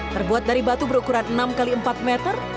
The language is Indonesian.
terbuat dari batu berukuran enam x empat meter